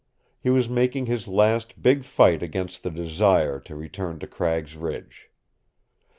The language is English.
He was making his last big fight against the desire to return to Cragg's Ridge.